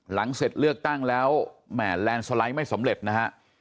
หลังเสร็จเลือกตั้งแล้วแหม่แลนด์สไลด์ไม่สำเร็จนะฮะ